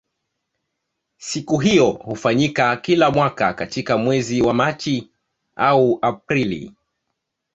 Siku hiyo hufanyika kila mwaka katika mwezi wa Machi au Aprili.